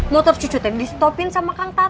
motor cucu tadi di stopin sama kang tatang